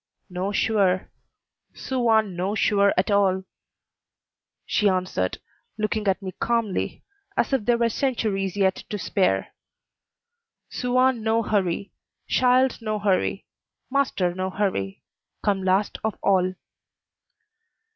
"No sure; Suan no sure at all," she answered, looking at me calmly, as if there were centuries yet to spare. "Suan no hurry; shild no hurry; master no hurry: come last of all."